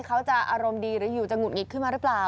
เขาจะอารมณ์ดีหรืออยู่จะหงุดหงิดขึ้นมาหรือเปล่า